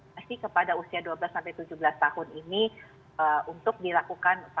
pasti kepada usia dua belas sampai tujuh belas tahun ini untuk dilakukan